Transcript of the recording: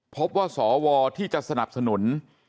พบว่าสวที่จะสนับสนุน